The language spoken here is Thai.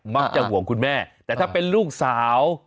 จะห่วงคุณแม่แต่ถ้าเป็นลูกสาว